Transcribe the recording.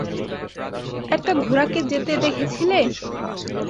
একটা ঘোড়াকে যেতে দেখেছিলে?